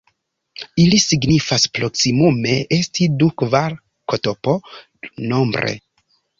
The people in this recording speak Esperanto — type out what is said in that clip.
Ili signifas proksimume 'esti du, kvar ktp nombre'.